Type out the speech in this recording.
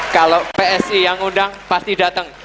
kalau psi yang undang pasti datang